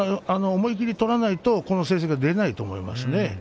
思い切り取れないとこの成績は、出ないと思います。